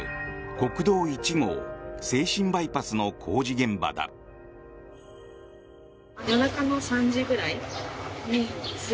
国道１号静清バイパスの工事現場だ。男性）